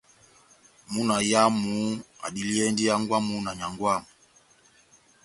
Múna oyamu adiliyɛndi hángwɛ́ wamu na nyángwɛ wamu.